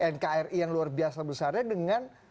nkri yang luar biasa besarnya dengan